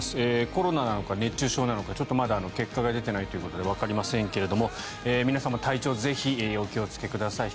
コロナなのか熱中症なのかちょっとまだ結果が出ていないということなのでわかりませんが、皆さんも体調はぜひお気をつけください。